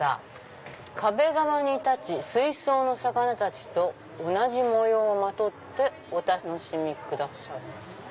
「壁側に立ち水槽の魚たちと同じ模様をまとってお楽しみください」。